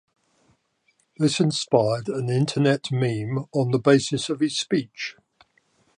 This inspired an internet meme on the basis of his speech.